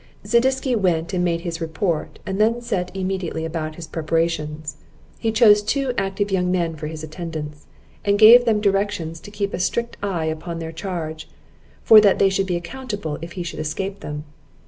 Zadisky went and made his report, and then set immediately about his preparations. He chose two active young men for his attendants; and gave them directions to keep a strict eye upon their charge, for that they should be accountable if he should escape them.